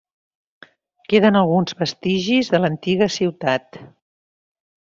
Queden alguns vestigis de l'antiga ciutat.